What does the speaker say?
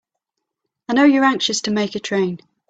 I know you're anxious to make a train.